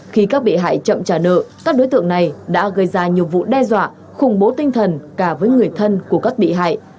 khi các bị hại chậm trả nợ các đối tượng này đã gây ra nhiều vụ đe dọa khủng bố tinh thần cả với người thân của các bị hại